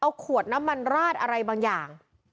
เอาขวดน้ำมันราดอะไรบางอย่าง